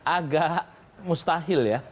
agak mustahil ya